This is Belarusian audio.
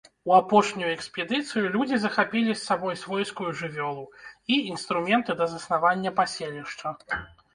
У апошнюю экспедыцыю людзі захапілі з сабой свойскую жывёлу і інструменты для заснавання паселішча.